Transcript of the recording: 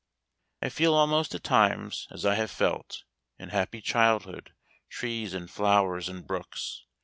I feel almost at times as I have felt In happy childhood; trees, and flowers, and brooks.